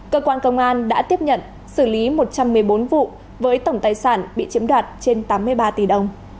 cơ quan công an đã tiếp nhận xử lý một trăm một mươi bốn vụ với tổng tài sản bị chiếm đoạt trên tám mươi ba tỷ đồng